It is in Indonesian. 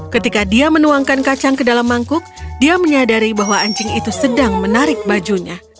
ketika dia menuangkan kacang ke dalam mangkuk dia menyadari bahwa anjing itu sedang menarik bajunya